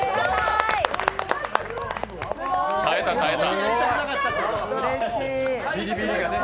耐えた、耐えた。